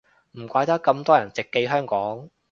唔怪得咁多人直寄香港